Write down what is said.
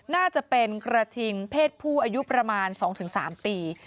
น่าจะเป็นกระทิงเพศผู้อายุประมาณ๒๓ปี